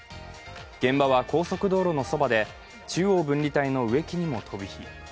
現場は高速道路のそばで中央分離帯の植木にも飛び火。